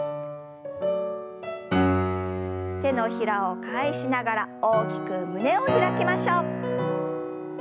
手のひらを返しながら大きく胸を開きましょう。